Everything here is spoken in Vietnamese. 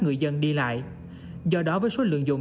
người dân đi lại do đó với số lượng dùng